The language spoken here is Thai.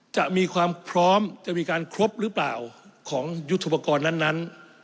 จะมีความพร้อมจะมีการครบหรือเปล่าของยุทธปกรณ์นั้น